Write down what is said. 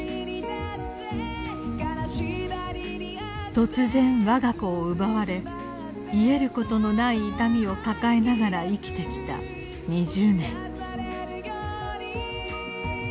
突然我が子を奪われ癒えることのない痛みを抱えながら生きてきた２０年。